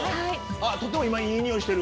とっても今いい匂いしてる！